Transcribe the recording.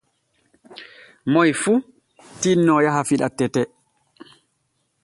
Moy fuu tinno yaha fiɗa tete.